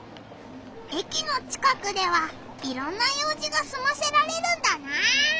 駅の近くではいろんな用じがすませられるんだな。